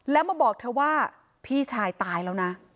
แล้วมาบอกเธอว่าพี่ชายตายแล้วนะ